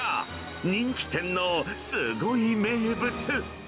人気店のすごい名物。